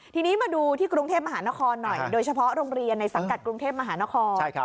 ทีนี้มาดูที่กรุงเทพมหานครหน่อยโดยเฉพาะโรงเรียนในสังกัดกรุงเทพมหานคร